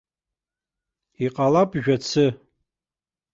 Иҟалап жәацы.